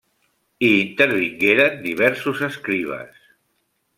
Hi intervingueren diversos escribes.